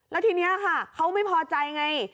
แล้วทีนี้ค่ะเขาไม่พอใจไง